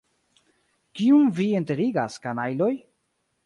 Kiun vi enterigas, kanajloj?